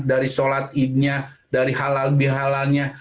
dari sholat idnya dari halal bihalalnya